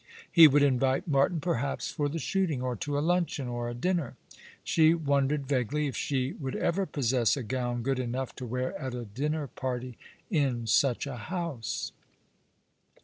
He would invite Martin, perhaps, for the shooting, or to a luncheon, or a dinner. She wondered vaguely if she would ever possess a gown good enough to wear at a dinner party in such a house.